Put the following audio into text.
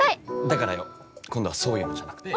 だからよ。今度はそういうのじゃなくて。